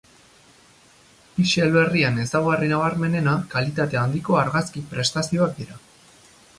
Pixel berrien ezaugarri nabarmenena kalitate handiko argazki-prestazioak dira.